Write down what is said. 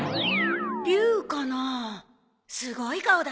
龍かなあすごい顔だね。